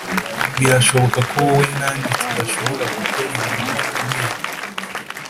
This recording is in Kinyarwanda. birashoboka ko wowe na njye tudashobora gukora ibintu bikomeye